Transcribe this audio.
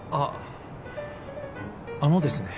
ああのですね